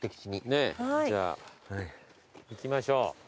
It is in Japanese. ねっじゃあ行きましょう。